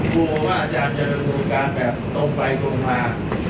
กลัวว่าอาจารย์จะจำนวนการแบบตรงไปตรงมา